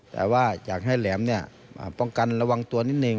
แต่ว่าอยากให้แหลมป้องกันระวังตัวนิดนึง